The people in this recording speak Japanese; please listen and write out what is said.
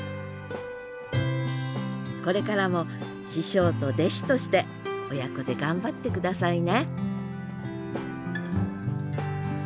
これからも師匠と弟子として親子で頑張って下さいね